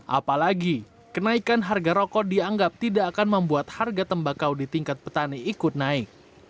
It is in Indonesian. apalagi kenaikan harga rokok dianggap tidak akan membuat harga tembakau di tingkat petani ikut naik